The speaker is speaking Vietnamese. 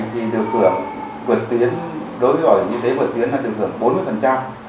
thì đối với bảo hiểm y tế vượt tuyến được hưởng bốn mươi